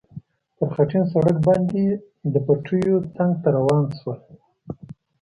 پر خټین سړک باندې د پټیو څنګ ته روان شول.